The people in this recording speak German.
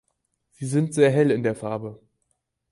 Sie sind sehr hell in der Farbe.